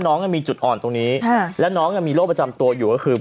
น้องมีจุดอ่อนตรงนี้แล้วน้องมีโรคประจำตัวอยู่ก็คือ